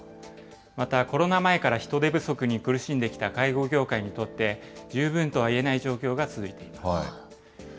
また、コロナ前から人手不足に苦しんできた介護業界にとって、十分とはいえない状況が続いています。